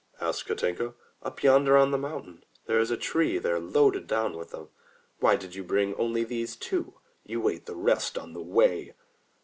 asked Katinka. "Up yonder on the mountain; there is a tree there loaded down with them." "Why did you bring only these two? You ate the rest on the way!"